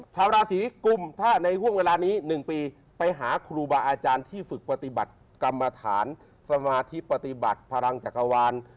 ชาวราศีกุมถ้าในห่วงเวลานี้๑ปีไปหาครูบาอาจารย์ที่ฝึกปฏิบัติกรรมฐานสมาธิปฏิบัติพลังจักรวาล